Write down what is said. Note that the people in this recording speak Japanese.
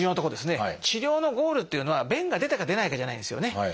治療のゴールっていうのは便が出たか出ないかじゃないんですよね。